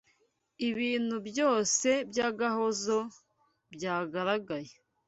Ibintu byose by’agahozo byagaragaye